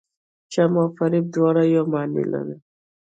چم او فریب دواړه یوه معنی لري.